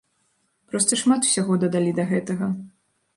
Проста шмат усяго дадалі да гэтага.